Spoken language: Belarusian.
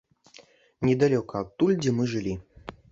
Недалёка адтуль, дзе мы жылі.